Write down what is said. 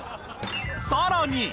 さらに！